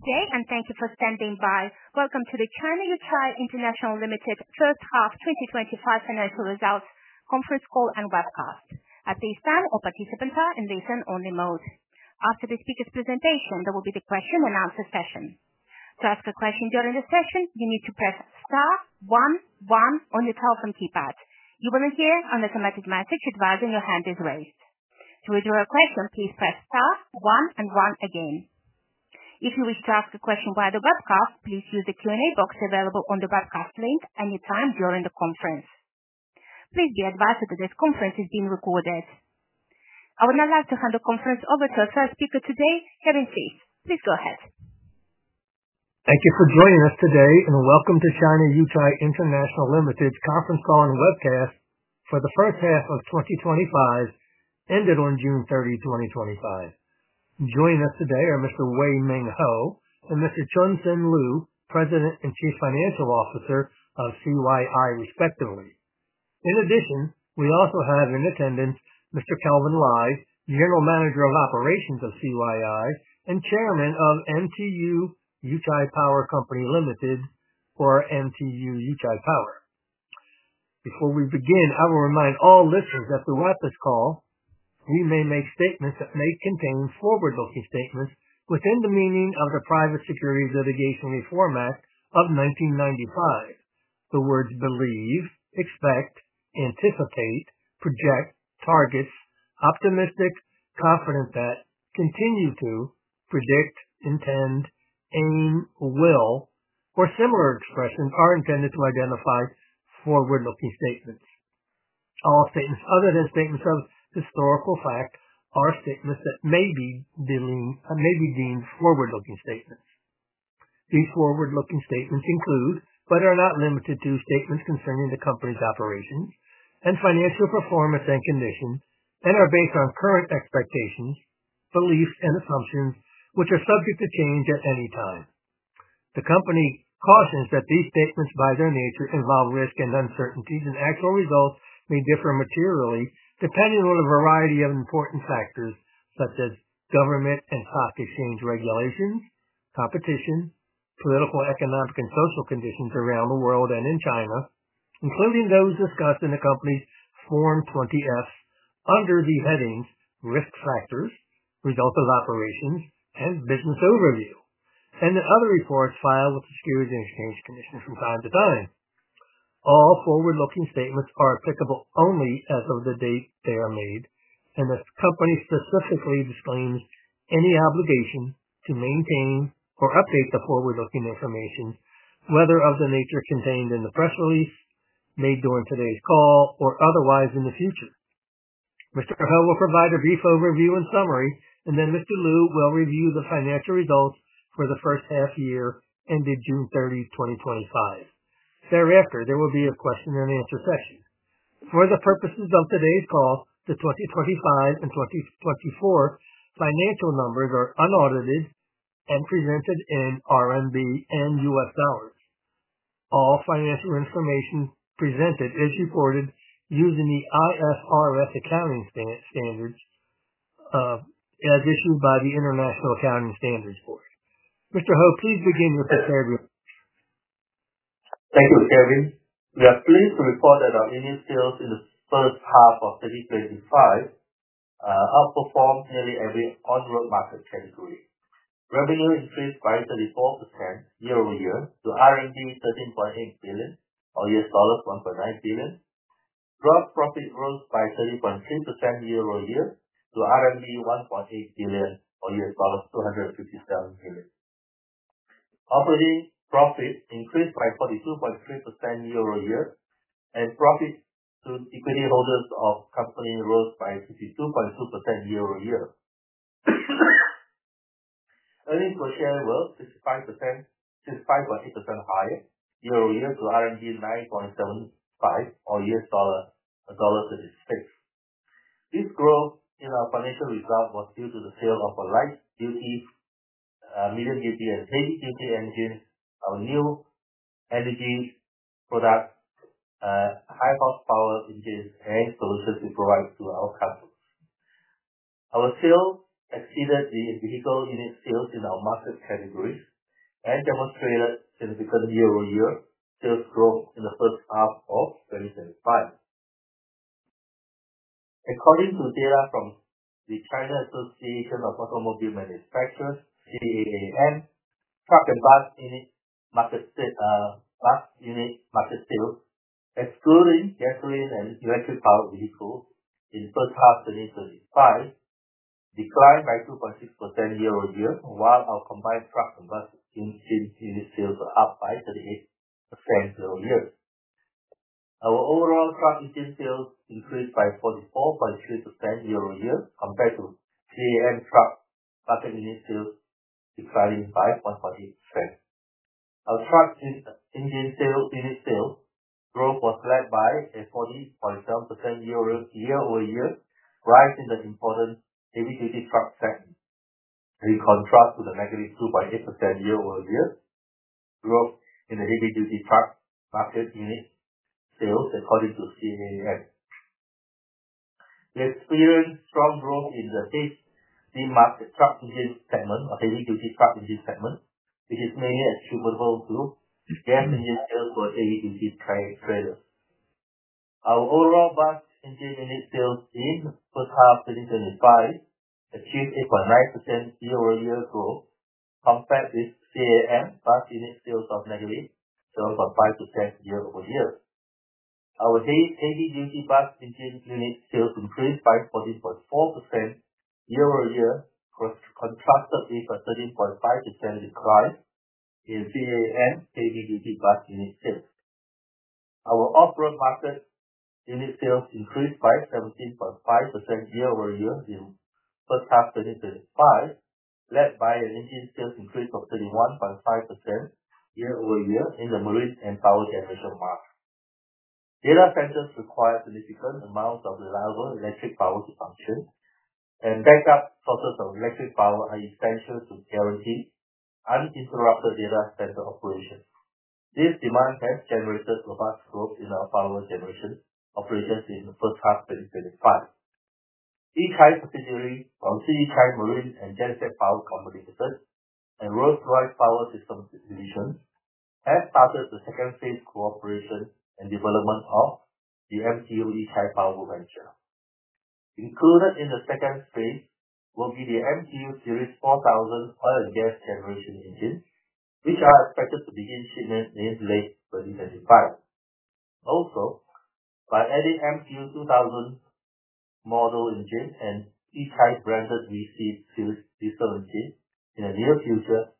Okay, and thank you for standing by. Welcome to the China Yuchai International Limited First Half 2025 Financial Results Conference Call and Webcast. At this time, all participants are in listen-only mode. After the speaker's presentation, there will be the question and answer session. To ask a question during the session, you need to press star one one on your telephone keypad. You will hear an automatic message advising your hand is raised. To redirect questions, please press star one one again. If you wish to ask a question via the webcast, please use the Q&A box available on the webcast link any time during the conference. Please be advised that this conference is being recorded. I would now like to hand the conference over to our first speaker today, Kevin Theiss. Please go ahead. Thank you for joining us today, and welcome to China Yuchai International Limited's Conference Call and Webcast for the first half of 2025, ended on June 30, 2025. Joining us today are Mr. Weng Ming Hoh and Mr. Choon Sen Loo, President and Chief Financial Officer of CYI respectively. In addition, we also have in attendance Mr. Kelvin Lai, General Manager of Operations of CYI and Chairman of MTU Yuchai Power Company Limited, or MTU Yuchai Power. Before we begin, I will remind all listeners that throughout this call, we may make statements that may contain forward-looking statements within the meaning of the Private Securities Litigation Reform Act of 1995. The words believe, expect, anticipate, project, target, optimistic, confident that, continue to, predict, intend, aim, will, or similar expressions are intended to identify forward-looking statements. All statements other than statements of historical fact are statements that may be deemed forward-looking statements. These forward-looking statements include, but are not limited to, statements concerning the company's operations and financial performance and conditions, and are based on current expectations, beliefs, and assumptions, which are subject to change at any time. The company cautions that these statements, by their nature, involve risk and uncertainties, and actual results may differ materially depending on a variety of important factors, such as government and stock exchange regulations, competition, political, economic, and social conditions around the world and in China, including those discussed in the company's Form 20-F under the headings Risk Factors, Results of Operations, and Business Overview, and the other reports filed with the Securities and Exchange Commission from time to time. All forward-looking statements are applicable only as of the date they are made, and the company specifically disclaims any obligation to maintain or update the forward-looking information, whether of the nature contained in the press release, made during today's call, or otherwise in the future. Mr. Hoh will provide a brief overview and summary, and then Mr. Loo will review the financial results for the first half year, ended June 30, 2025. Thereafter, there will be a question and answer session. For the purposes of today's call, the 2025 and 2024 financial numbers are unaudited and presented in RMB and US dollars. All financial information presented is recorded using the IFRS accounting standards as issued by the International Accounting Standards. Mr. Hoh, please begin with the statements. Thank you, Kevin. We are pleased to report that our earnings growth in the first half of 2025 outperformed nearly every on-board market category. Revenue increased by 34% year-over-year to RMB 13.8 billion, or $1.9 billion. Gross profit rose by 30.3% year-over-year to RMB 1.8 billion, or $257 million. Operating profit increased by 42.3% year-over-year, and profit to equity holders of the company rose by 52.2% year-over-year. Earnings per share were 65.8% higher year-over-year to RMB 9.75 or $1.32. This growth in our financial result was due to the sale of our light-duty, medium, heavy-duty engine, our new LED product, high-horsepower engine, and solutions we provide to our customers. Our sales exceeded initial unit sales in our market categories and demonstrated significant year-over-year sales growth in the first half of 2025. According to data from the China Association of Automobile Manufacturers, truck and bus unit market sales excluding gasoline and electric powered vehicles in the first half of 2025 declined by 2.6% year-over-year, while our combined truck and bus unit sales were up by 38% year-over-year. Our overall truck engine sales increased by 44.3% year-over-year compared to CAAM truck and bus unit sales declining by 4.8%. Our truck engine sales unit sales growth was led by a 40.7% year-over-year rise in the important heavy-duty truck segment. We contrast to the negative 2.8% year-over-year growth in the heavy-duty truck market unit sales according to the CAAM. We experienced strong growth in the fifth deemed market truck engine segment or heavy-duty truck engine segment, which is mainly a suitable group to get a new sale for a heavy-duty price later. Our overall bus engine unit sales in the first half of 2025 achieved 8.9% year-over-year growth compared with CAAM bus unit sales of negative 7.5% year-over-year. Our heavy-duty bus engine unit sales increased by 20.4% year-over-year contrasted with a 13.5% decline in CAAM heavy-duty bus unit sales. Our off-road market unit sales increased by 17.5% year-over-year in the first half of 2025, led by an engine sales increase of 31.5% year-over-year in the marine and power generation market. Data centers require significant amounts of reliable electric power to function, and backup sources of electric power are essential to guarantee uninterrupted data center operation. This demand has generated robust growth in our power generation operators in the first half of 2025. Yuchai, particularly from Yuchai's Marine and Genset Power Company Limited and Rolls-Royce Power Systems Initiative, has started the second phase cooperation and development of the MTU Yuchai Power venture. Included in the second phase will be the mtu Series 4000 oil and gas generation engines. These are expected to begin shipment in late 2025. Also, by adding mtu 2000 model engine and Yuchai branded V6 diesel engine in the near future,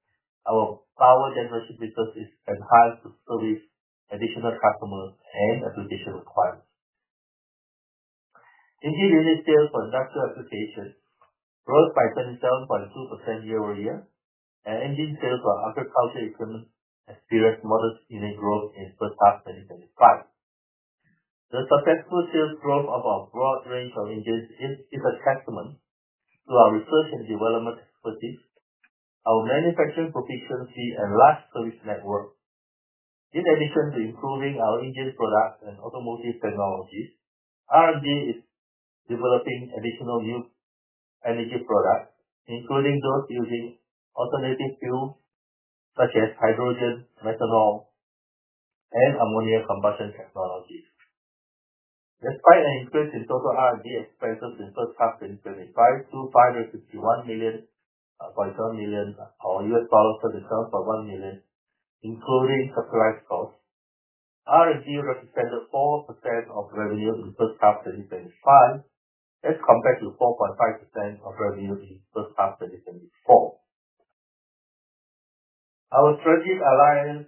our power generation business is advised to service additional customers and application requirements. Engine unit sales for Industrial Association rose by 27.2% year-over-year, and engine sales for other country economies experienced modest unit growth in the first half of 2025. The successful sales growth of our broad range of engines is a testament to our research and development expertise, our manufacturing proficiency, and large service network. In addition to improving our engine products and automotive technologies, R&D is developing additional new energy products, including those using alternative fuels such as hydrogen, methanol, and ammonia combustion technologies. Despite an increase in total R&D expenses in the first half of 2025 to $37.1 million, including subscriber costs, R&D represented 4% of revenue in the first half of 2025 as compared to 4.5% of revenue in the first half of 2024. Our strategic alliance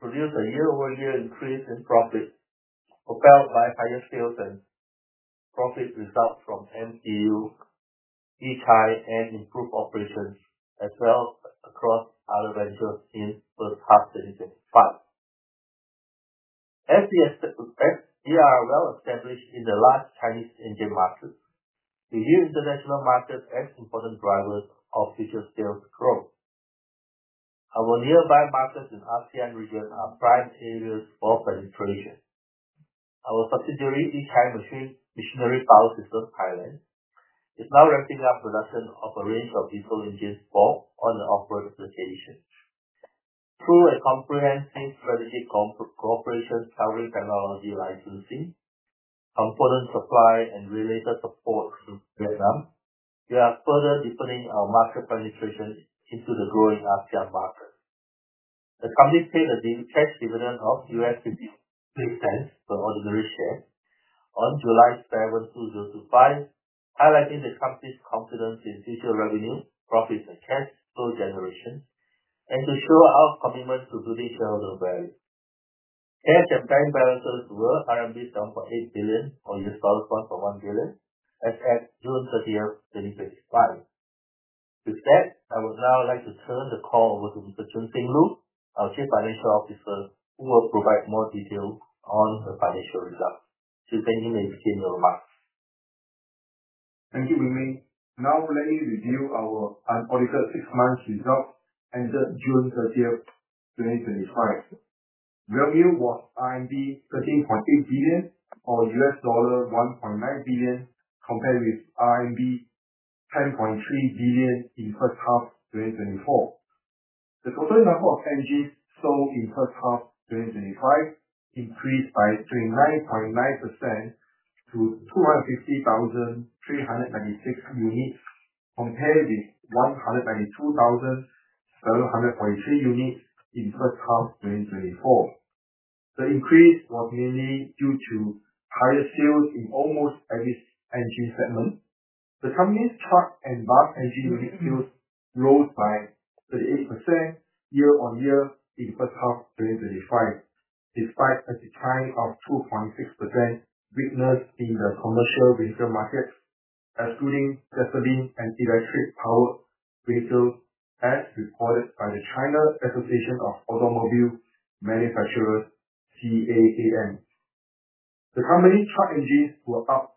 produced a year-over-year increase in profit propelled by higher sales and profit results from MTU Yuchai and improved operations as well across other ventures in the first half of 2025. As we are well established in the large Chinese engine market, the new international markets are important drivers of future sales growth. Our nearby markets in the ASEAN region are prime areas for penetration. Particularly, Yuchai Machinery Power System (Thailand) is now ramping up production of a range of diesel engines for on and off-road application. Through a comprehensive strategy from cooperation, salary, technology licensing, component supply, and related support programs, we are further deepening our market penetration into the growing ASEAN market. The company paid a cash dividend of $0.50 per ordinary share on July 7th, 2025, highlighting the company's confidence in future revenue, profit, and cash flow generation, and to show our commitment to building shareholder value. Cash and bank balances were 7.8 billion RMB, or US$1.1 billion, as at June 30th, 2025. With that, I would now like to turn the call over to Mr. Choon Sen Loo, our Chief Financial Officer, who will provide more details on the financial results. Kelvin is in the room after. Thank you, Weng Ming. Now, let me review our unaudited six-month results ended June 30th, 2025. Revenue was 3.4 billion, or $1.9 billion, compared with 10.3 billion in the first half of 2024. The total number of engines sold in the first half of 2025 increased by 29.9% to 250,396 units, compared with 192,723 units in the first half of 2024. The increase was mainly due to higher sales in almost every engine segment. The company's truck and bus engine unit sales rose by 38% year-on-year in the first half of 2025, despite a decline of 2.6% witnessed in the commercial retail markets, including gasoline and electric power retail, as reported by the China Association of Automobile Manufacturers (CAAM). The company's truck engines were up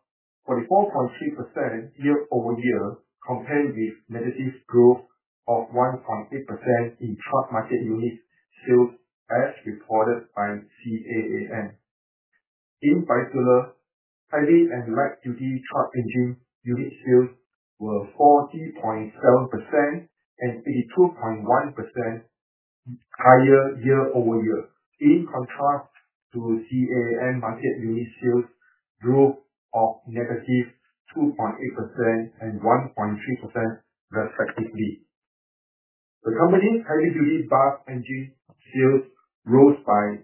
44.3% year-over-year, compared with negative growth of 1.8% in truck market unit sales as reported by the CAAM. In particular, heavy and light-duty truck engine unit sales were 40.7% and 82.1% higher year-over-year, in contrast to CAAM market unit sales growth of negative 2.8% and 1.3% respectively. The company's heavy-duty bus engine sales rose by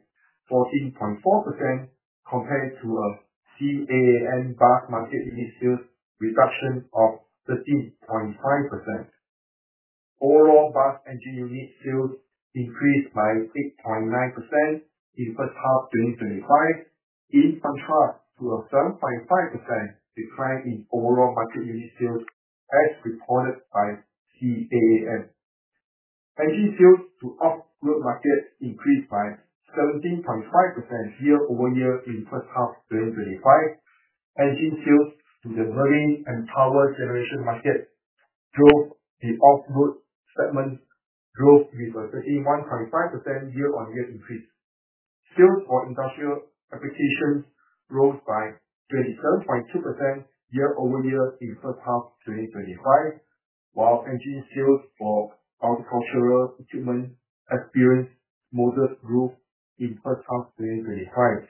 14.4% compared to CAAM bus market unit sales reduction of 13.5%. Overall, bus engine unit sales increased by 8.9% in the first half of 2025, in contrast to a 7.5% decline in overall market unit sales as reported by the CAAM. Engine sales to off-road markets increased by 17.5% year-over-year in the first half of 2025. Engine sales to the marine and power generation markets drove the off-road segment growth with a 31.5% year-on-year increase. Sales for industrial applications rose by 27.2% year-over-year in the first half of 2025, while engine sales for agricultural equipment experienced modest growth in the first half of 2025.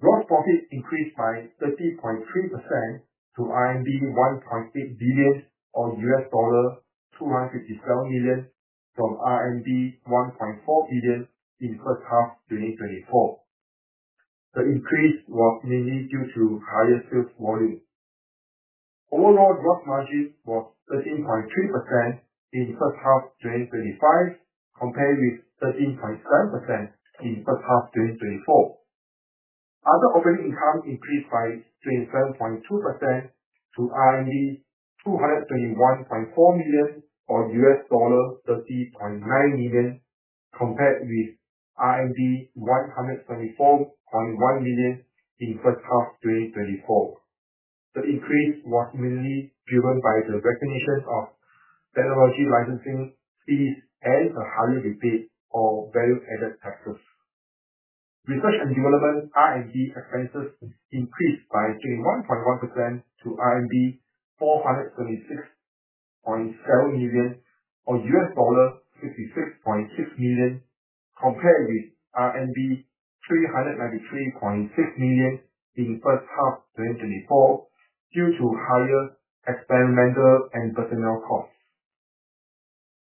Gross profit increased by 30.3% to 1.8 billion, or $257 million from RMB 1.4 billion in the first half of 2024. The increase was mainly due to higher sales volume. Overall, gross margins were 13.3% in the first half of 2025 compared with 13.7% in the first half of 2024. Other operating income increased by 27.2% to 231.4 million, or $30.9 million, compared with RMB 174.1 million in the first half of 2024. The increase was mainly driven by the recognition of technology licensing and the highly reputed or value-added services. Research and development (R&D) expenses increased by 21.1% to RMB 476.7 million, or $56.6 million, compared with RMB 393.6 million in the first half of 2024 due to higher experimental and personnel costs.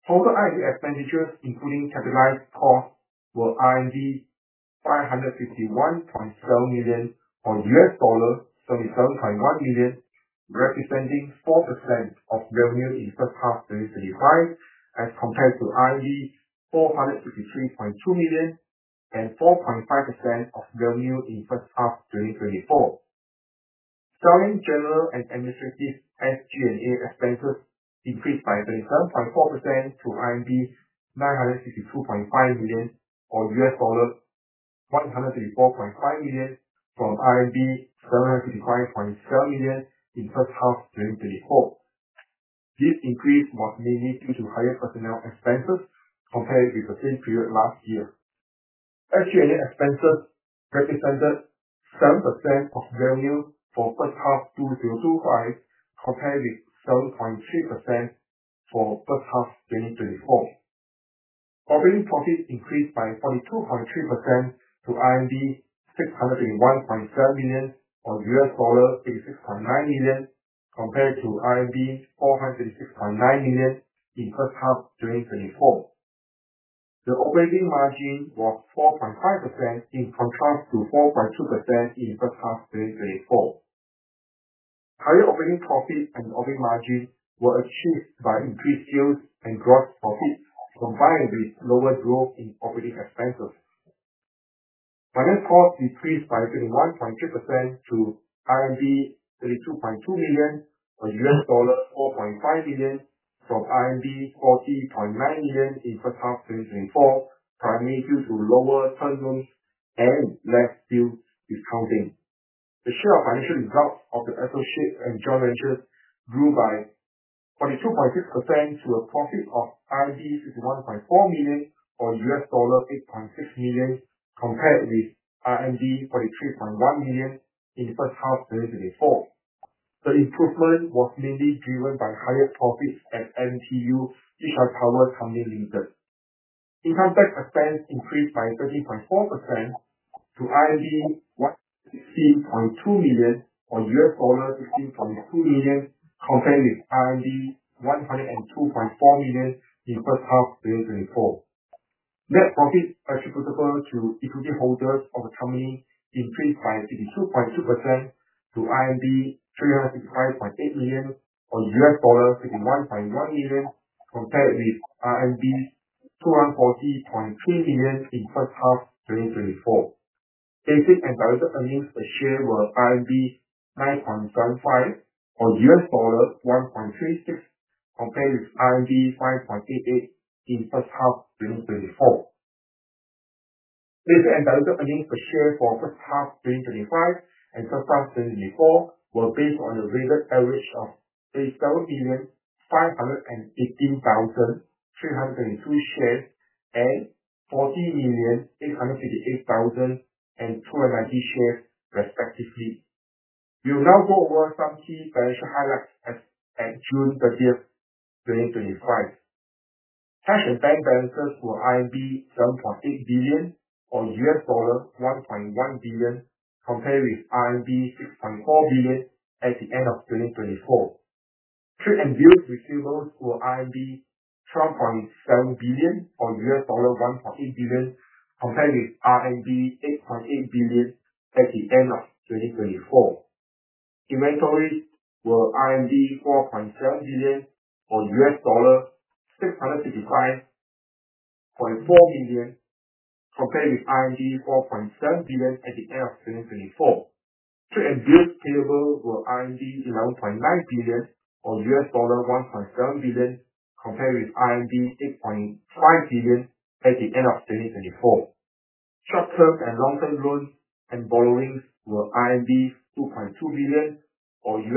Total R&D expenditures, including capitalized costs, were RMB 551.12 million, or $77.1 million, representing 4% of revenue in the first half of 2025 as compared to 453.2 million and 4.5% of revenue in the first half of 2024. Selling, general and administrative (SG&A) expenses increased by 27.4% to 962.5 million, or $134.5 million, from 755.12 million in the first half of 2024. This increase was mainly due to higher personnel expenses compared with the same period last year. SG&A expenses represented 7% of revenue for the first half of 2025 compared with 7.3% for the first half of 2024. Operating profits increased by 42.3% to 631.7 million, or $86.9 million, compared to 436.9 million in the first half of 2024. The operating margin was 4.5% in contrast to 4.2% in the first half of 2024. Higher operating profits and operating margins were achieved by increased sales and gross profits combined with lower growth in operating expenses. Financial costs decreased by 21.2% to RMB 32.2 million, or $4.5 million, from RMB 40.9 million in the first half of 2024, primarily due to lower turnaround and less deal discounting. The share of financial results of the associates and joint ventures grew by 42.6% to a profit of 51.4 million, or $8.6 million, compared with 36.1 million in the first half of 2024. The improvement was mainly driven by higher profits at MTU Yuchai Power Company Limited. Income tax expense increased by 13.4% to 116.2 million, or $15.2 million, compared with RMB 102.4 million in the first half of 2024. Net profits attributable to equity holders of the company increased by 52.2% to 365.8 million, or $51.1 million, compared with RMB 240.3 million in the first half of 2024. Basic and diluted earnings per share were 9.75 or $1.36 compared with 5.38 in the first half of 2024. Basic and diluted earnings per share for the first half of 2025 and the first half of 2024 were based on the weighted average of 87,518,332 shares and 40,858,290 shares, respectively. We will now go over some key financial highlights as at June 30th, 2025. Cash and bank balances were 7.8 billion or $1.1 billion, compared with 6.4 billion at the end of 2024. Trade and bills receivables were 12.7 billion or $1.8 billion, compared with RMB 8.8 billion at the end of 2024. Inventories were RMB 4.7 billion or $655.4 million, compared with 4.7 billion at the end of 2024. Trade and bills receivables were 11.9 billion or $1.7 billion, compared with 8.5 billion at the end of 2024. Short-term and long-term loans and borrowings were 2.2 billion or $304.6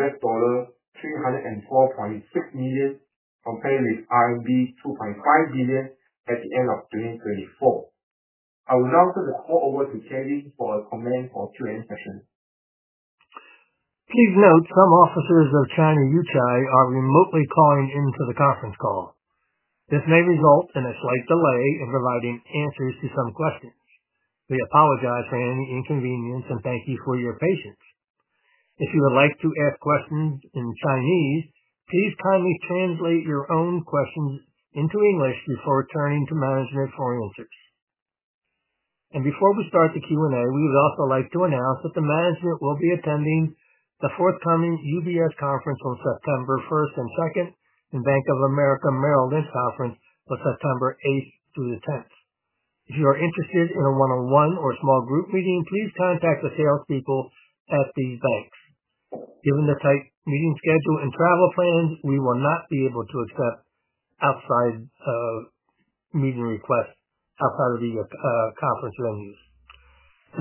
million, compared with RMB 2.5 billion at the end of 2024. I will now turn the call over to Kevin for a comment or Q&A session. Please note, some officers of China Yuchai International Limited are remotely calling into the conference call. This may result in a slight delay in providing answers to some questions. We apologize for any inconvenience and thank you for your patience. If you would like to ask questions in Chinese, please kindly translate your own questions into English before turning to management for answers. Before we start the Q&A, we would also like to announce that the management will be attending the forthcoming UBS Conference on September 1st and September 2nd and Bank of America Merrill Lynch Conference on September 8th through September 10th. If you are interested in a one-on-one or small group meeting, please contact the salespeople at the banks. Given the tight meeting schedule and travel plans, we will not be able to accept outside meeting requests outside of the conference venues.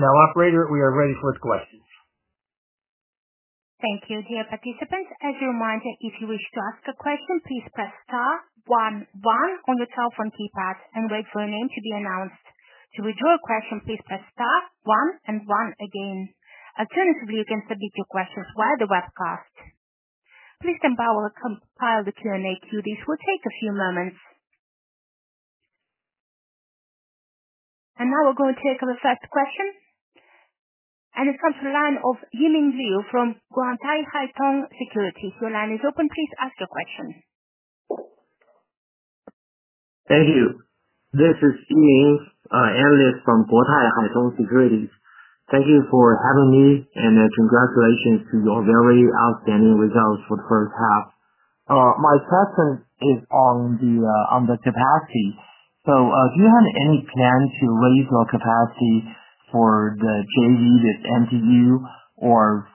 Now, operator, we are ready for questions. Thank you, dear participants. As a reminder, if you wish to ask a question, please press star one one on your telephone keypad and wait for your name to be announced. To withdraw a question, please press star one one again. Alternatively, you can submit your questions via the webcast. Please enter or compile the Q&A queue. This will take a few moments. Now we're going to take the first question. It's from the line of Yiming Liu from Guotai Haitong Securities. If your line is open, please ask your question. Thank you. This is Yiming, an analyst from Guotai Haitong Securities. Thank you for having me, and congratulations to your very outstanding results for the first half. My question is on the capacity. Do you have any plan to raise your capacity for the daily with the MTU or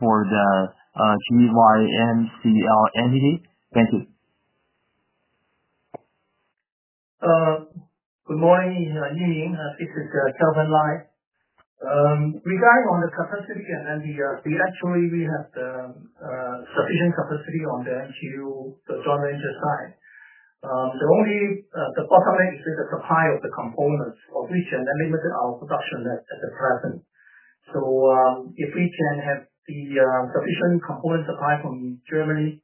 for the GYMCL entity? Thank you. Good morning, Yiming. This is Kelvin Lai. Regarding the capacity, we have sufficient capacity on the MTU joint venture side. The only bottleneck is the supply of the components, which are limiting our production at present. If we can have sufficient component supply from Germany,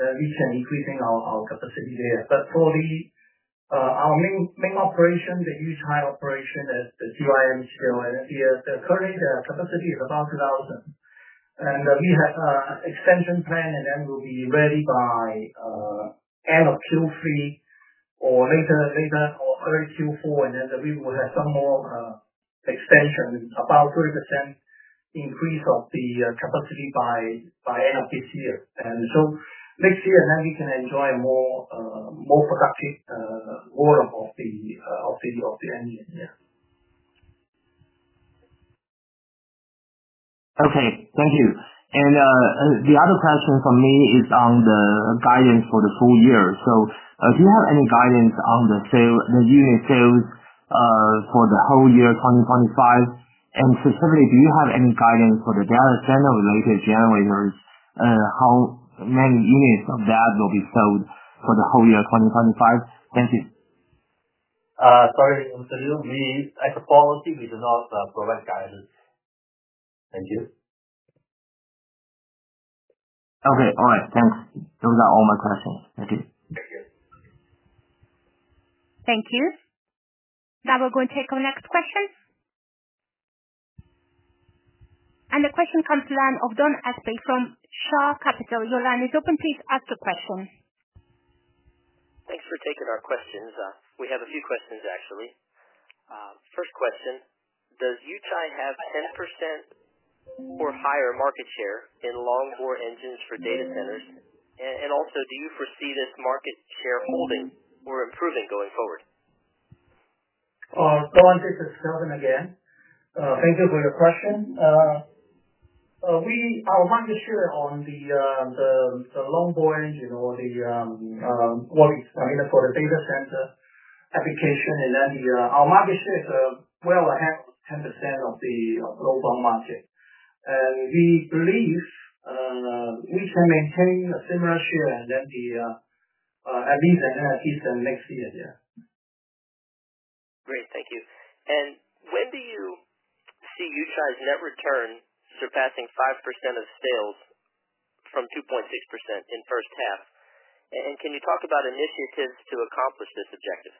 then we can increase our capacity there. For our main operation, the Yuchai operation is the GYMCL. Currently, the capacity is about 2,000. We have an extension plan, and it will be ready by end of Q3 or early Q4. We will have some more extensions, about a 30% increase of the capacity by end of this year. Next year, we can enjoy more. Thank you. The other question for me is on the guidance for the full year. Do you have any guidance on the unit sales for the whole year 2025? Specifically, do you have any guidance for the data center related generators and how many units of that will be sold for the whole year 2025? Thank you. Sorry, Mr. Liu. As a policy, we do not provide guidance. Thank you. Okay. All right. Thanks. Those are all my questions. Thank you. Thank you. Now we're going to take our next question. The question comes to the line of Don Espey from Shah Capital. Your line is open. Please ask your question. Thanks for taking our questions. We have a few questions, actually. First question, does Yuchai have 10% or higher market share in long-board engines for data centers? Also, do you foresee this market share holding or improving going forward? Go on. This is Kelvin again. Thank you for your question. Our market share on the long-board engine, or for the data center application, our market share is well ahead, 10% of the global market. We believe we can maintain a similar share, at least in the next year. Great. Thank you. When do you see Yuchai's net return surpassing 5% of sales from 2.6% in the first half? Can you talk about initiatives to accomplish this objective?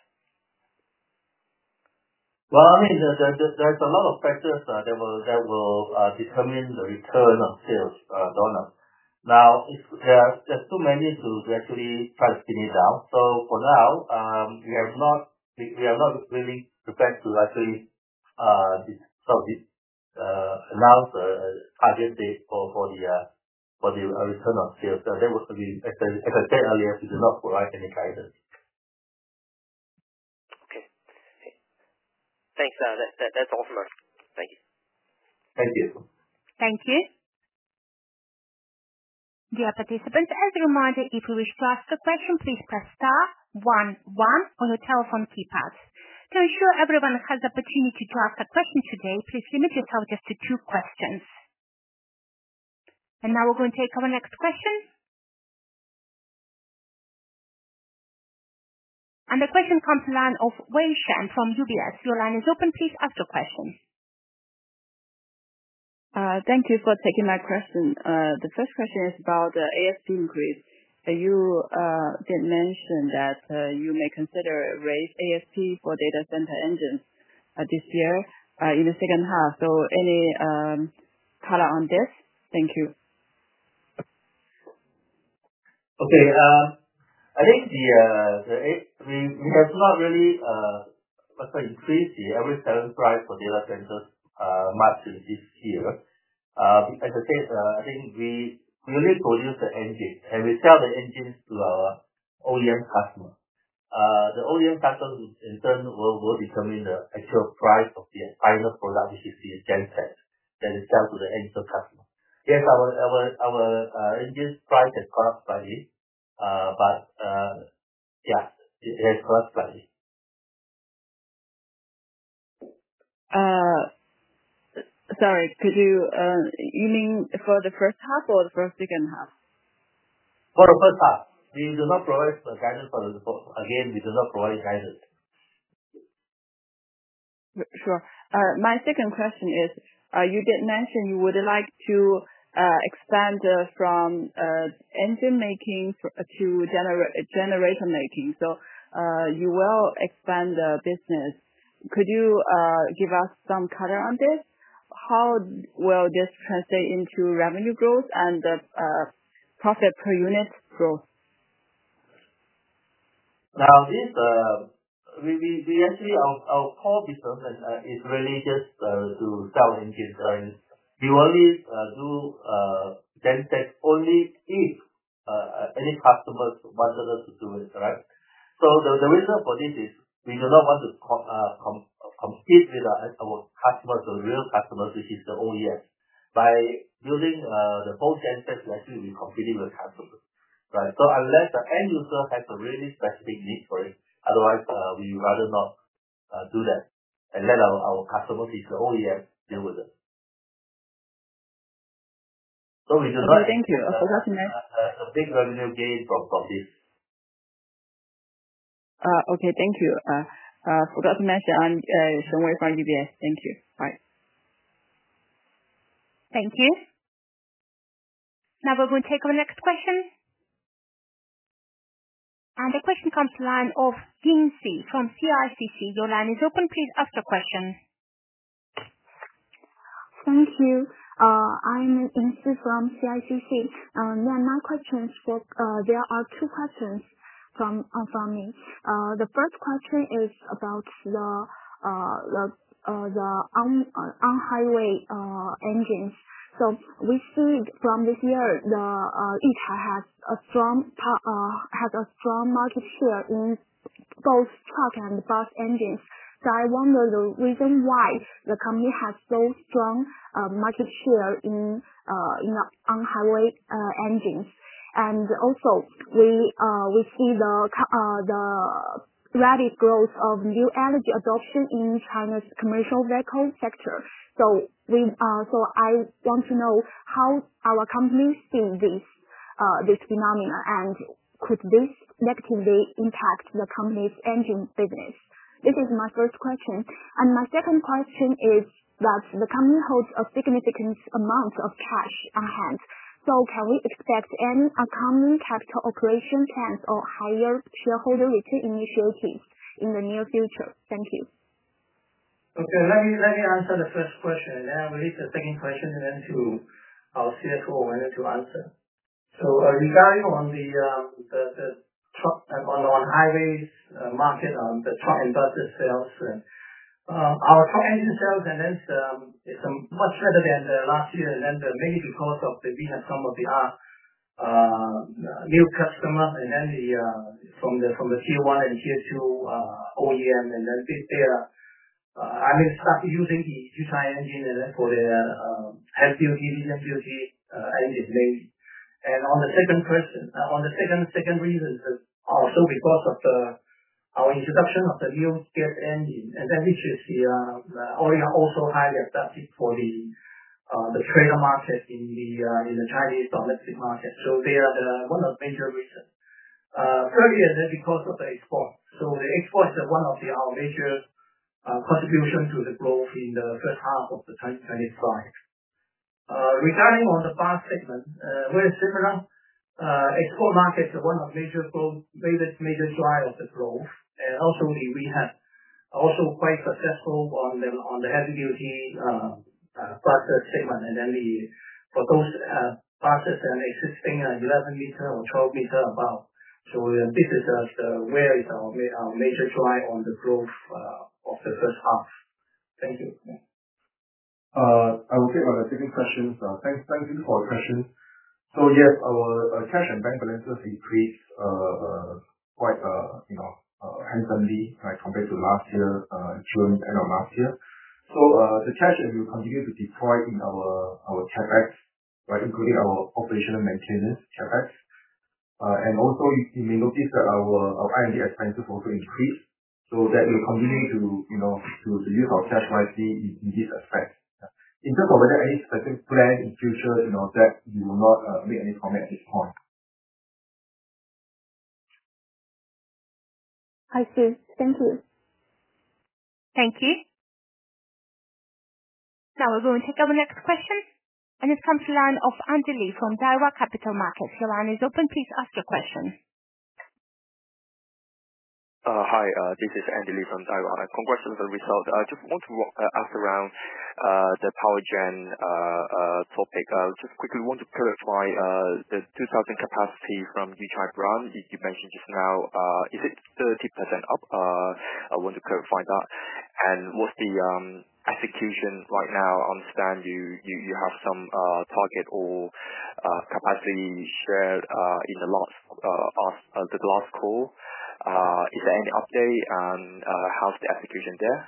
There are a lot of factors that will determine the return of sales, Don. There are too many to actually try to pin it down. For now, we are not really prepared to actually announce the target date for the return of sales. As I said earlier, we do not provide any guidance. Okay. Thanks. That's all for us. Thank you. Thank you. Thank you. Dear participants, as a reminder, if you wish to ask a question, please press star one one on your telephone keypad. To ensure everyone has the opportunity to ask a question today, please limit yourself just to two questions. We are going to take our next question. The question comes to the line of Wei Shen from UBS. Your line is open. Please ask your question. Thank you for taking my question. The first question is about the ASP increase. You did mention that you may consider raising ASP for data center engines this year in the second half. Any color on this? Thank you. Okay. I think we have not really, let's say, increased the average selling price for data center market this year. As I said, I think we really produce the engines, and we sell the engines to our OEM customers. The OEM customers in turn will determine the actual price of the final product, which is the sensor that is sent to the end customer. Yes, our engine price is classified, but, yeah, it is classified. Sorry, could you, you mean for the first half or the second half? For the first half, we do not provide guidance. Again, we do not provide guidance. Sure. My second question is, you did mention you would like to expand from engine making to generator making. You will expand the business. Could you give us some color on this? How will this translate into revenue growth and the profit per unit growth? Now, our core business is related to sell engines. We only do genset if any customers want us to do it, right? The reason for this is we do not want to compete with our customers, the real customers, which is the OEM. By using the old genset, we completely will have to, right? Unless the end user has a really specific need for it, otherwise, we would rather not do that. Our customers, which are OEM, deal with it. We do not. Thank you for those who may. A big revenue gain from this. Okay. Thank you. For those who may, I'm going away from UBS. Thank you. Bye. Thank you. Now we're going to take our next question. The question comes to the line of Ying Xu from CICC. Your line is open. Please ask your question. Thank you. I'm Ying Xu from CICC. My question is that there are two questions from me. The first question is about the on-highway engines. We see from this year, Yuchai has a strong market share in both truck and bus engines. I wonder the reason why the company has so strong market share in the on-highway engines. Also, we see the rapid growth of new energy adoption in China's commercial vehicle sector. I want to know how our company sees this phenomenon and could this negatively impact the company's engine business. This is my first question. My second question is that the company holds a significant amount of cash in hand. Can we expect any economic capital operation sense or higher shareholder return in these growths in the near future? Thank you. Okay. Let me answer the first question. I have at least a second question and then to our CFO, whether to answer. Regarding the truck and our highways market, the truck and buses sales, our truck engine sales, it's much better than last year. This is mainly because we have some new customers, and from Q1 and Q2, OEM, they start using the Yuchai engine for their heavy-duty engine blade. The second reason is also because of our introduction of the yield gas engine. OEM also highly adapted for the trader markets in the Chinese domestic market. These are one of the major reasons. Thirdly, because of the export. The exports are one of our major contributions to the growth in the first half of 2025. Regarding the bus segment, we're similar. Export markets are one of the biggest major drivers of the growth. Ultimately, we have also been quite successful in the heavy-duty buses segment. For those buses, the 16 L and 11 L or 12 L above, this is where our major drive on the growth of the first half. Thank you. I will take one of the second questions. Thank you for your questions. Yes, our cash and bank balances increased quite handsomely compared to last year, during the end of last year. The cash will continue to deploy in our CapEx, including our operational maintenance CapEx. You may notice that our R&D expenses also increased. That will continue to use our CapEx in this aspect. In terms of whether any specific plan in the future, we will not make any comment at this point. I see. Thank you. Thank you. Now we're going to take our next question. It comes to the line of Andy Li from Daiwa Capital Markets. Your line is open. Please ask your question. Hi. This is Andy Li from Daiwa. Congrats on the results. I just want to ask around the POWERGEN topic. I just quickly want to clarify, the 2,000 capacity from Yuchai brands, which you mentioned just now, is it 30% up? I want to clarify that. What's the execution right now? I understand you have some target or capacity shared in the last call. Is there any update on how's the execution there?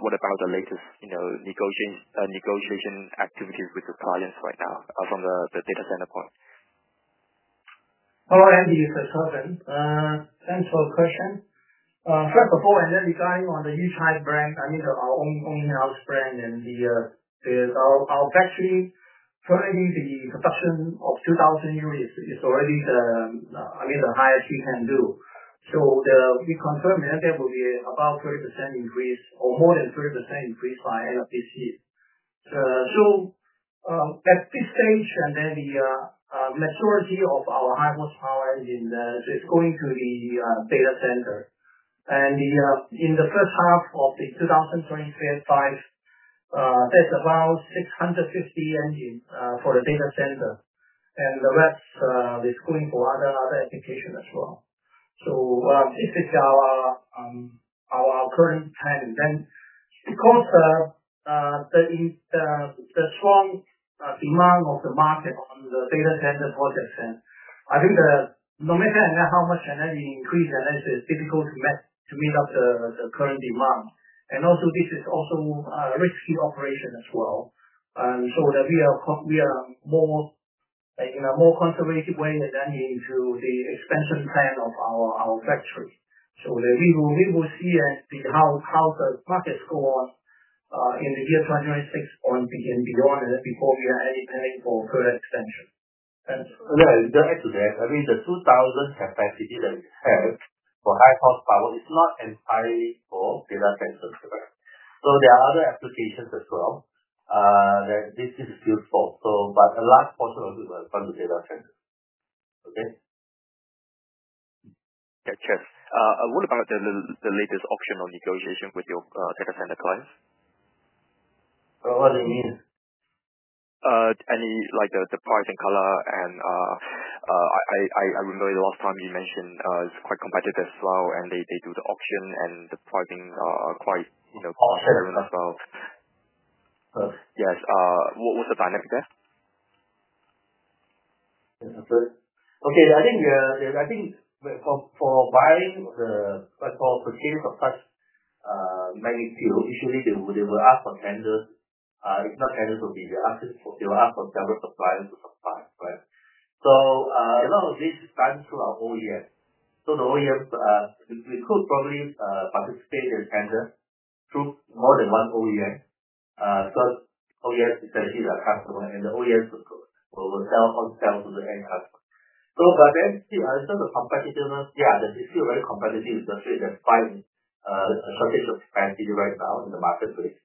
What about the latest negotiation activities with the clients right now from the data center point? Hello, Andy. It's Choon Sen. Thanks for the question. First of all, regarding the Yuchai brand, I mean our own in-house brand and our battery, currently, the production of 2,000 units is already the highest we can do. We confirmed that there will be about 30% increase or more than 30% increase by end of this year. At this stage, the majority of our high-horsepower engines is going to the data center. In the first half of 2025, there's about 650 engines for the data center. The rest is going for other applications as well. This is our current plan. Because of the strong demand of the market on the data center projects, I think no matter how much energy increase, it's difficult to meet up the current demand. Also, this is also risky operation as well. We are more in a more conservative way, and that means through the expansion plan of our factory. We will see how the projects go on in the year 2026 and beyond, and that's before we are any planning for current expansion. Right. To add to that, I mean, the 2,000 capacity that we have for high-horsepower is not entirely for data centers. There are other applications as well that this is useful. A large portion of it was done in data centers. Okay. Thank you. What about the latest auction or negotiation with your data center clients? What do you mean? The price and color, I remember the last time you mentioned it's quite competitive as well, and they do the auction and the pricing quite cost-effective as well. yes. Yes, what was the dynamic there? Yeah, that's right. Okay. I think for buying, but for pursuing customers, the magnitude of issues, they will ask for tenders. It's not tenders to be the assets. They will ask for developed suppliers to supply, right? A lot of this is done through our OEM. The OEM, we could probably participate in tenders through more than one OEM, because OEM is going to be the customer, and the OEM will sell on-site to the end customer. I understand the competitor, yeah, they're still very competitive in terms of the pricing, because it's expensive right now in the marketplace.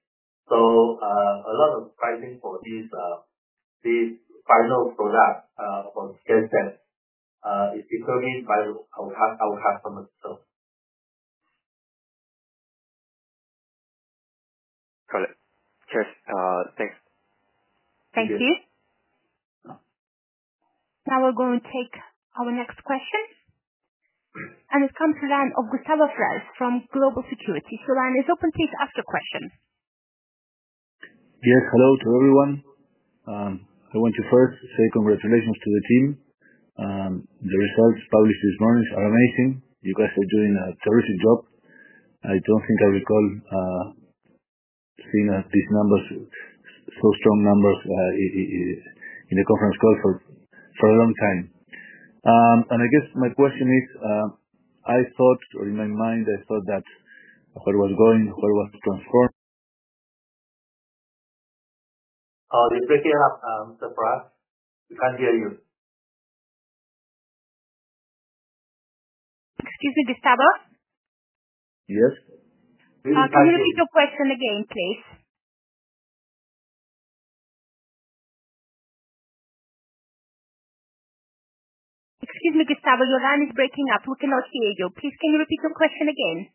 A lot of pricing for these final products on the data center is determined by our customers. Got it. Okay, thanks. Thank you. Now we're going to take our next question. It comes to the line of Gustavo Ferraz from Global Securities. Your line is open. Please ask your question. Yes. Hello to everyone. I want to first say congratulations to the team. The results published this morning are amazing. You guys are doing a terrific job. I don't think I recall seeing these numbers, so strong numbers, in a conference call for a long time. I guess my question is, I thought, or in my mind, I thought that where was going, where was the transform? Did you hear the product? We can't hear you. Excuse me, Gustavo? Yes? Excuse me, Gustavo. Your line is breaking up. We cannot hear you. Please, can you repeat your question again?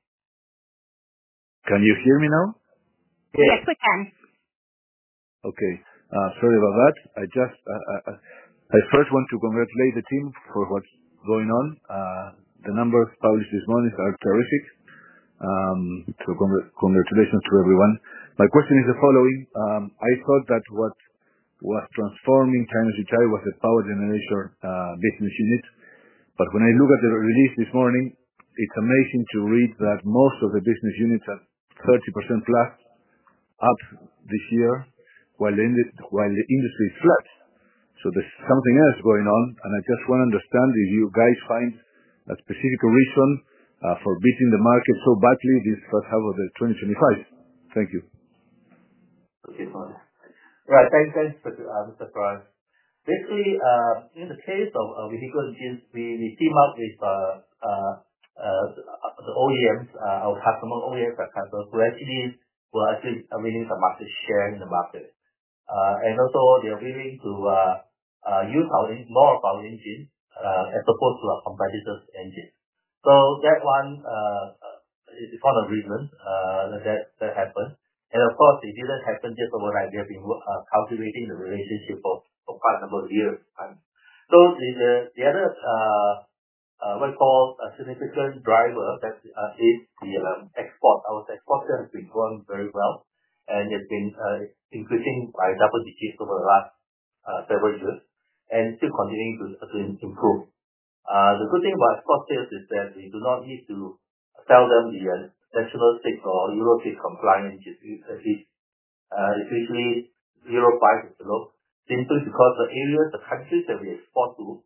Can you hear me now? Yes, we can. Okay, sorry about that. I just, I first want to congratulate the team for what's going on. The numbers published this morning are terrific, so congratulations to everyone. My question is the following: I thought that what was transforming China Yuchai was the power generator business unit. When I look at the release this morning, it's amazing to read that most of the business units are 30%+ up this year while the industry is flat. There's something else going on. I just want to understand if you guys find a specific reason for beating the market so badly this first half of 2025. Thank you. This is one. Right. Thanks, thanks, Mr. Ferraz. Basically, in the case of vehicle engines, the key mark is the OEMs, our customers, OEMs that can progress. It means we're actually winning the market share in the market, and also, they are willing to use more of our engines, as opposed to our competitors' engines. That one is for the reason that that happened. Of course, it didn't happen just overnight. We have been cultivating the relationship for quite a couple of years, right? The other, what we call a significant driver, is the export. Our exports have been growing very well and have been increasing by double digits over the last several years and still continuing to improve. The good thing about export sales is that you do not need to sell them the national stick or Euro trade compliance, which is basically, Euro price is below, simply because the areas, the countries that we export to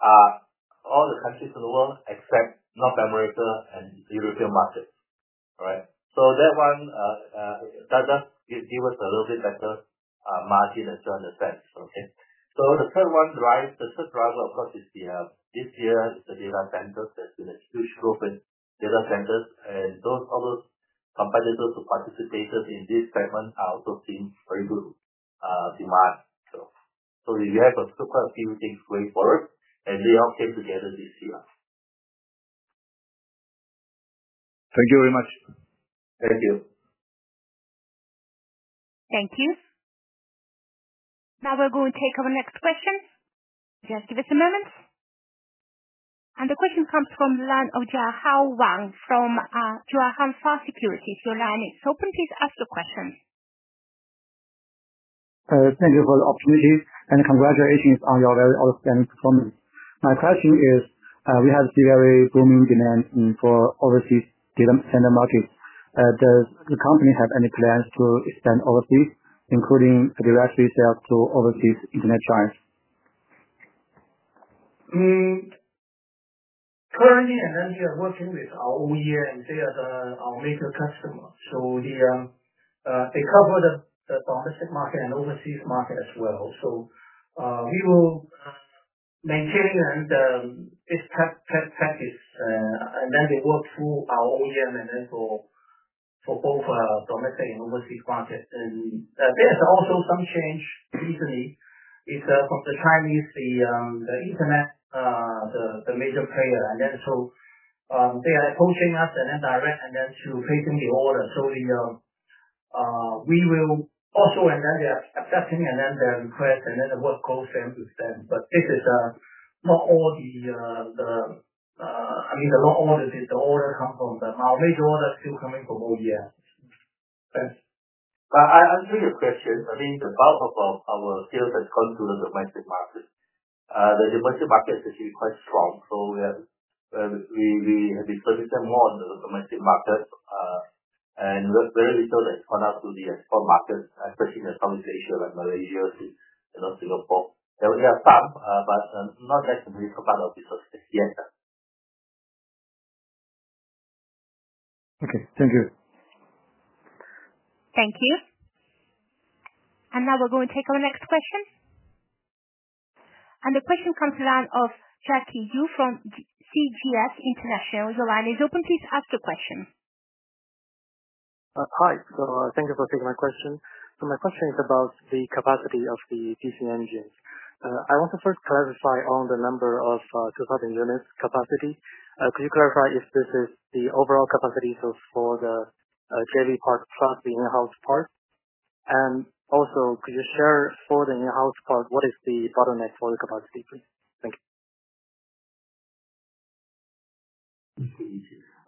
are all the countries in the world except North America and the European market. All right? That one does give us a little bit better margin as you understand. The third driver of course is this year, the data center. There's been a huge growth in data centers. Those competitors who participated in this segment are also seeing very good demand. You have a couple of things going forward, and we all came together this year. Thank you very much. Thank you. Thank you. Now we're going to take our next question. Just give us a moment. The question comes from the line of Jiahao Wang from Jiahao Securities. Your line is open. Please ask your question. Thank you for the opportunity and congratulations on your very outstanding performance. My question is, we have a very booming demand for overseas data center markets. Does the company have any plans to expand overseas, including a direct resale to overseas internet brands? Currently, we are working with our OEM, and they are our major customer. They cover the domestic market and overseas market as well. We will maintain the best practice. They work through our OEM for both domestic and overseas markets. There's also some change recently from the Chinese internet, the major player. They are approaching us direct and through phasing the order. We will also, and they are accepting the request and the work goes with them. This is not all the orders come from, but now these orders are still coming from OEM. Thanks. I'll answer your question. I mean, the bulk of our sales has gone to the domestic market. The domestic market is actually quite strong. We have been focusing more on the domestic market, and very little has gone to the export markets, especially Southeast Asia like Malaysia and Singapore. We have some, but not as many. Okay, thank you. Thank you. We are going to take our next question. The question comes to the line of Jackie Yu from CGS International. Your line is open. Please ask your question. Hi, thank you for taking my question. My question is about the capacity of the GC engines. I want to first clarify on the number of 2,000 units capacity. Could you clarify if this is the overall capacity for the daily part plus the in-house part? Also, could you share for the in-house part, what is the bottleneck for the capacity, please? Thank you.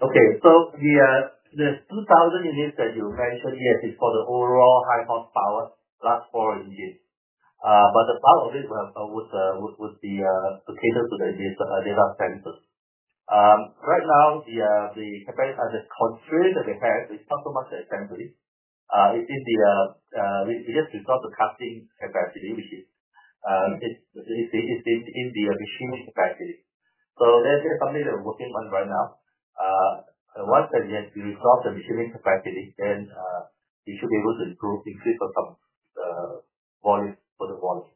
Okay. The 2,000 units that you rented is for the overall high-horsepower plus four engines, but the bulk of it would be applicable to the data centers. Right now, the event has a concrete demand with customer expenses. It's in the, we just restart the testing capacity, which is in the initial capacity. That is something that we're working on right now. Once we restart the machining capacity, we should be able to increase the volume for the volume.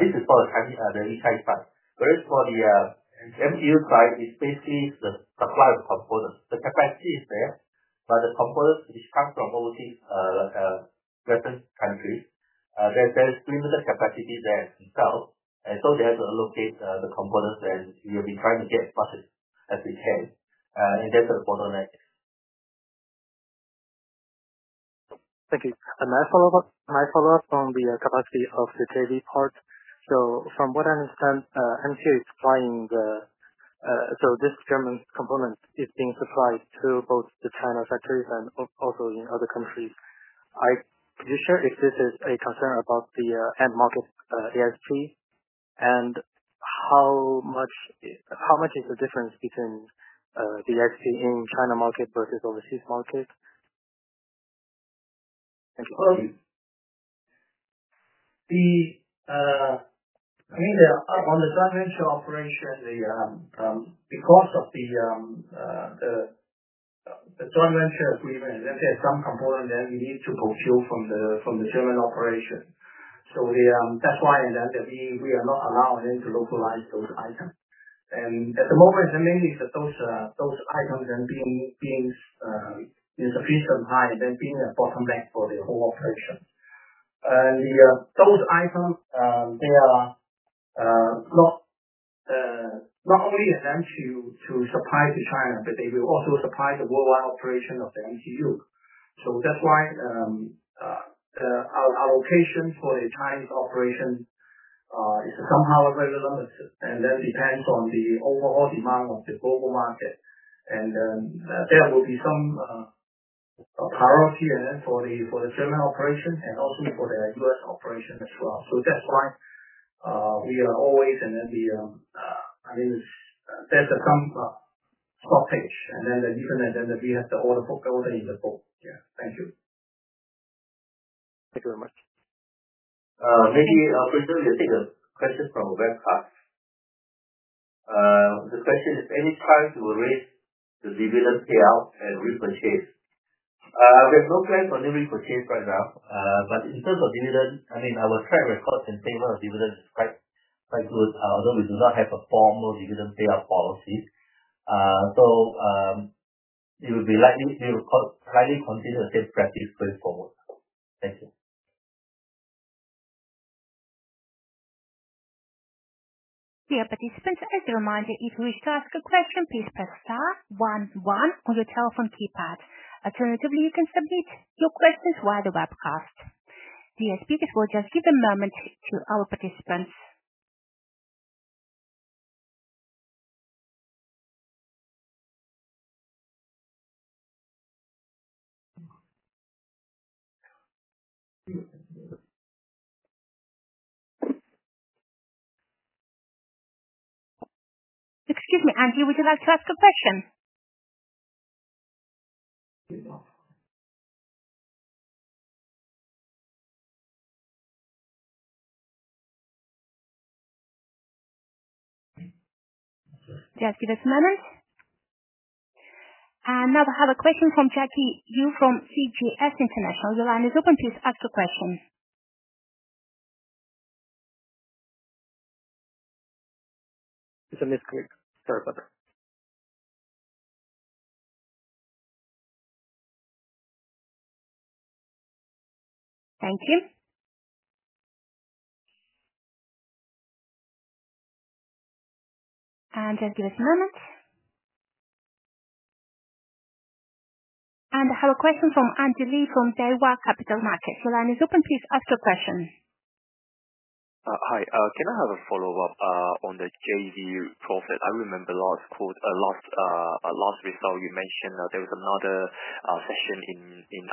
This is for a very tight time. For the MTU side, it is basically the supply of the components. The capacity is there, but the components which come from overseas, certain countries, there's limited capacity there in town. They have to allocate the components, and we will be trying to get as much as we can. That's the bottleneck. Thank you. My follow-up on the capacity of the daily part. From what I understand, MTU is supplying the, this German component is being supplied to both the China factories and also in other countries. Could you share if this is a concern about the end market, ASP? How much is the difference between the ASP in China market versus overseas market? When the Japanese operate, because of the joint venture agreement, there's some component that we need to fulfill from the German operation. That's why we are not allowing them to localize those items. The more reasoning is that those items, being in sufficient time, have been a bottleneck for the whole operation. Those items are not only an MTU supply to China, but they will also supply the worldwide operation of the MTU. That's why our allocation for the Chinese operation is somehow very limited. That depends on the overall demand of the global market. There will be some parallels here for the German operations and also for the U.S. operations as well. That's why we are always in the context. The different identity has to all go there in the book. Thank you. Thank you very much. For sure, you take a question from the webcast. The question is, any plans to raise the dividend payout and repurchase? There's no plans on any repurchase right now. In terms of dividend, I mean, our set records in terms of dividends is quite, quite good. Although we do not have the formal dividend payout policies, it would be like if you continue the same practice going forward. Dear participants, as a reminder, if you wish to ask a question, please press star one one on your telephone keypad. Alternatively, you can submit your questions via the webcast. The speakers will just give a moment to our participants. Excuse me, Andy, would you like to ask a question? Just for a moment. Now we have a question from Jackie Yu from CGS. Your line is open. Please ask your question. It's a misconnect. Sorry about that. Thank you. Please give us a moment. I have a question from Andy Li from Daiwa Capital Markets. Your line is open. Please ask your question. Hi, can I have a follow-up on the JV profit? I remember last quarter, last result you mentioned there was another session in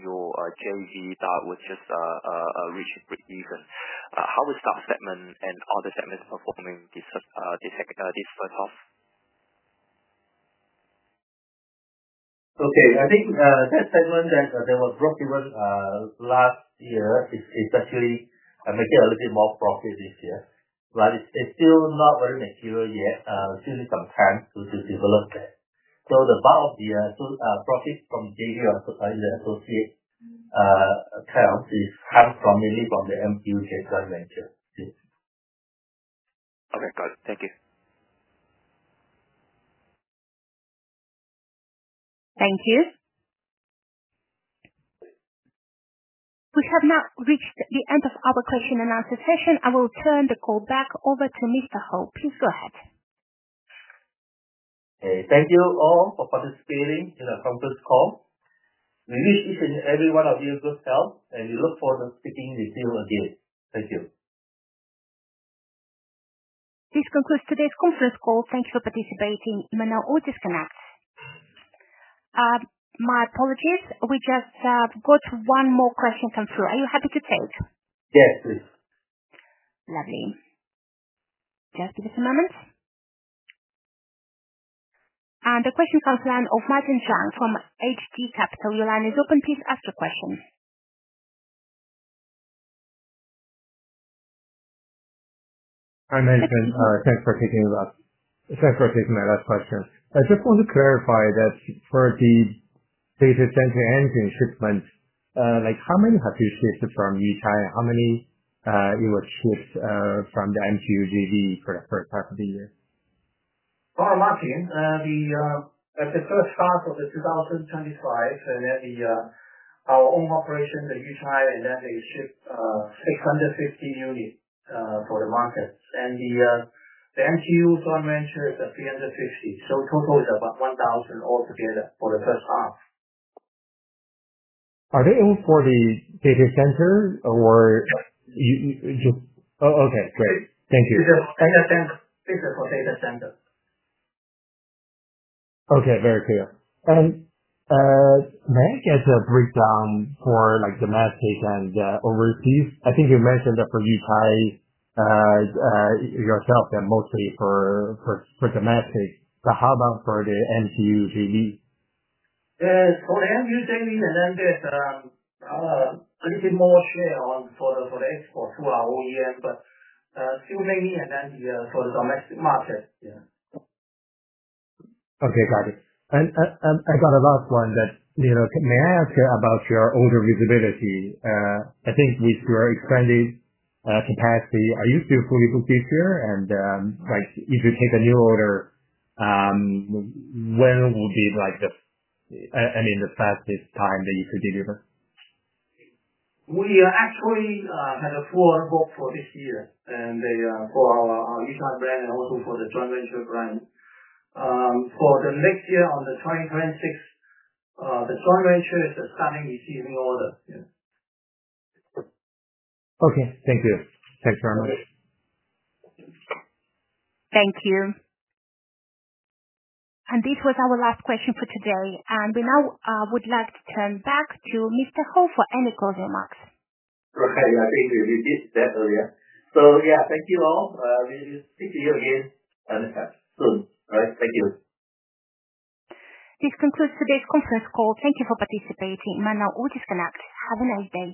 your JV that was just recently even. How is that segment and other segments performing this first half? Okay. I think that segment that was brought to us last year, it's actually, I mean, getting a little bit more profit this year. It's still not very material yet. I'm actually content to develop that. The bulk of the profit from daily associate accounts is coming from the MTU Yuchai joint venture. Okay. Got it. Thank you. Thank you. We have now reached the end of our question and answer session. I will turn the call back over to Mr. Hoh. Please go ahead. Okay. Thank you all for participating in the conference call. We wish each and every one of you a good sale, and we look forward to speaking with you again. Thank you. This concludes today's conference call. Thank you for participating. You may now all disconnect. My apologies, we just got one more question come through. Are you happy to take it? Yes, please. Lovely. Just give us a moment. The question comes to the line of Martin Zhang from HD Capital. Your line is open. Please ask your question. Hi, Martin. Thanks for taking that. Thanks for taking my last question. I just want to clarify that for the data center engine shipment, like, how many have you shipped from Yuchai? How many, it was shipped, from the MTU YP for the first half of the year? Oh, Martin. At the first half of 2025, we had our own operation in Yuchai, and then they shipped 850 units for the market. The MTU joint venture is the 350. Total is about 1,000 altogether for the first half. Are they owned for the data center, or you? Oh, okay. Great. Thank you. It's for data center applications. Okay. Very clear. May I get a breakdown for domestic and overseas? I think you mentioned that for Yuchai, they're mostly for domestic. How about for the MTU JV? For the MTU JV, and then there's a little bit more here for the export through our OEM, Q main, and then for the domestic market. Yeah. Okay. Got it. May I ask you about your order visibility? I think we still are expanding capacity. Are you still fully booked this year? If you take a new order, when will be, like, the fastest time that you could deliver? We actually had a full on hold for this year for our Yuchai brand and also for the joint venture brand. For the next year and 2026, the joint venture. Okay, thank you. Thanks very much. Thank you. This was our last question for today. We now would like to turn back to Mr. Hoh for any closing remarks. Okay. Thank you. You did that area. Thank you all. We will speak to you again on the chat soon. All right. Thank you. This concludes today's conference call. Thank you for participating. You may now all disconnect. Have a nice day.